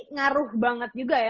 ngaruh banget juga ya